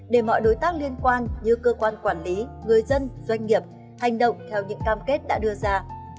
để mọi đối tác liên quan như cơ quan quản lý người dân doanh nghiệp hành động theo những cam kết đã đưa ra